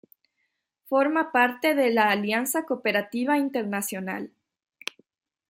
Forma parte de la Alianza Cooperativa Internacional.